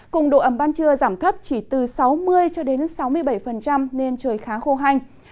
cùng độ ẩm ban trưa giảm thấp chỉ từ sáu mươi sáu mươi bảy nên trời khá khô hành